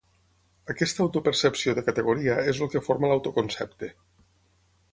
Aquesta autopercepció de categoria és el que forma l’autoconcepte.